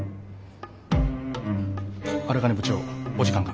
荒金部長お時間が。